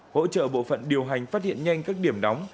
hỗ trợ bộ phận điều hành phát hiện nhanh các điểm đóng